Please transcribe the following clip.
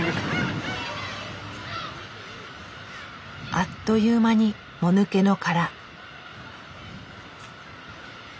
あっという間にもぬけの殻。